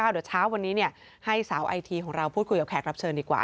เดี๋ยวเช้าวันนี้ให้สาวไอทีของเราพูดคุยกับแขกรับเชิญดีกว่า